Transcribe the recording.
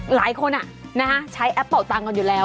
หลายคนใช้แอปเป่าตังค์กันอยู่แล้ว